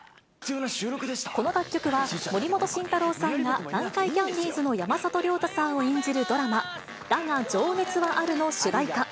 この楽曲は、森本慎太郎さんが南海キャンディーズの山里亮太さんを演じるドラマ、だが、情熱はあるの主題歌。